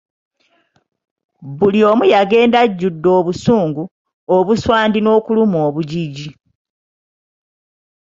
Buli omu yagenda ajjudde obusungu, obuswandi n’okuluma obujiji.